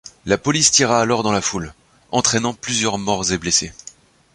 La police tira alors dans la foule, entraînant plusieurs morts et blessés.